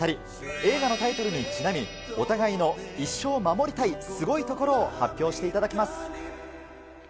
映画のタイトルにちなみ、お互いの一生護りたいすごいところを発表していただきます。